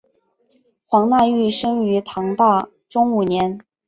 黄讷裕生于唐大中五年。